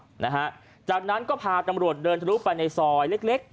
ก่อนจะกลับนะฮะจากนั้นก็พาตำรวจเดินทะลุไปในซอยเล็ก